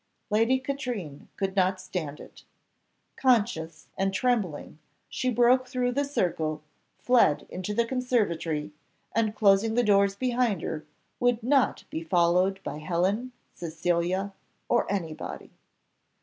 Lady Katrine could not stand it. Conscious and trembling, she broke through the circle, fled into the conservatory, and, closing the doors behind her, would not be followed by Helen, Cecilia, or any body.